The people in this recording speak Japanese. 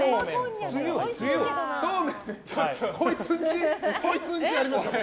こいつんち、ありましたよ。